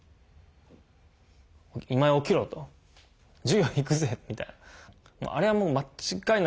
「今井起きろ」と「授業行くぜ」みたいな。